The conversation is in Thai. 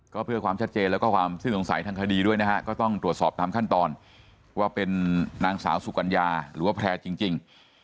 ก็เพื่อความชัดเจนแล้วก็ความสิ้นสงสัยทางคดีด้วยนะฮะก็ต้องตรวจสอบตามขั้นตอนว่าเป็นนางสาวสุกัญญาหรือว่าแพร่จริง